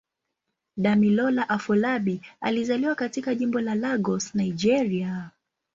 Damilola Afolabi alizaliwa katika Jimbo la Lagos, Nigeria.